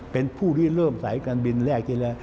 เป็นผู้เริ่มใส่การบินแรกทีและ